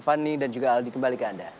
fani dan juga aldi kembali ke anda